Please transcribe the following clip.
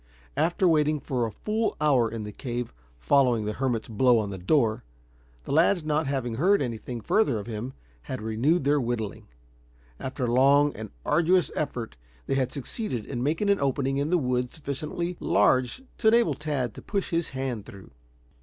After waiting for a full hour in the cave, following the hermit's blow on the door, the lads not having heard anything further of him, had renewed their whittling. After long and arduous effort they had succeeded in making an opening in the wood sufficiently large to enable Tad to push his hand through.